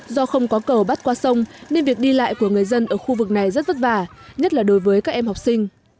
do không có cầu bắt qua sông nên việc đi lại của người dân ở khu vực này rất vất vả nhất là đối với các em học sinh